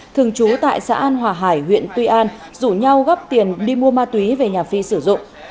thường trú tại xã an hòa hải huyện tuy an rủ nhau góp tiền đi mua ma túy về nhà phi sử dụng